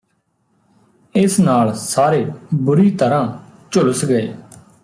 ਇਸ ਨਾਲ਼ ਸਾਰੇ ਬੁਰੀ ਤਰ੍ਹਾਂ ਝੁਲਸ ਗਏ